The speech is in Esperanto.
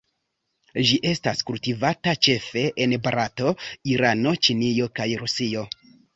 Ĝi estas kultivata ĉefe en Barato, Irano, Ĉinio, kaj Rusio.